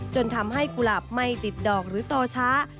จนทำให้กุหลาบไม่ติดดอกหรือโตช้า